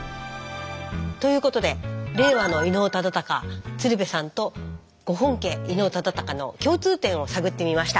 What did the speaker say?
ということで令和の伊能忠敬鶴瓶さんとご本家伊能忠敬の共通点を探ってみました。